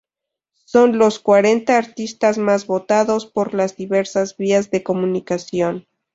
Son los cuarenta artistas más votados por las diversas vías de comunicación.